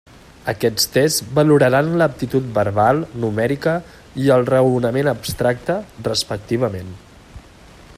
Aquests tests valoraran l'aptitud verbal, numèrica i el raonament abstracte, respectivament.